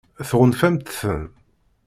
Tɣunfamt-ten?